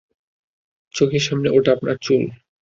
চোখের সামনে ওটা আপনার চুল।